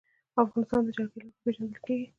افغانستان د جلګه له مخې پېژندل کېږي.